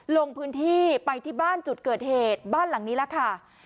ลงพื้นที่ไปที่บ้านจุดเกิดเหตุบ้านหลังนี้แล้วค่ะ